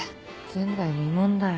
前代未聞だよ。